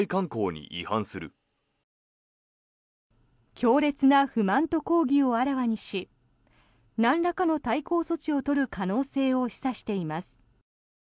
強烈な不満と抗議をあらわにしなんらかの対抗措置を取る可能性を示唆しています。